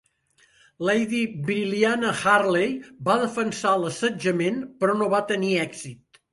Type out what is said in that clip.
Lady Brilliana Harley va defensar l'assetjament, però no va tenir èxit.